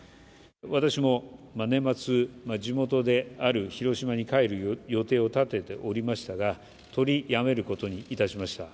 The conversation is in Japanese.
私も年末、地元である広島に帰る予定を立てておりましたが、取りやめること